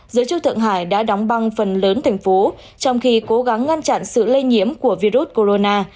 giới chức thượng hải đã đóng băng phần lớn thành phố trong khi cố gắng ngăn chặn sự lây nhiễm của virus corona